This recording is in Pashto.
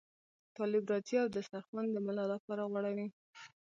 طالب راځي او دسترخوان د ملا لپاره غوړوي.